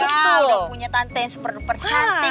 udah punya tante yang super duper cantik